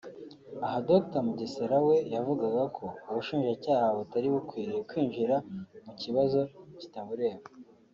Aha Dr Mugesera we yavugaga ko ubushinjacyaha butari bukwiye kwinjira mu kibazo kitabureba